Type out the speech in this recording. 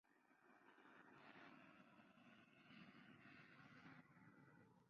Батюшков К.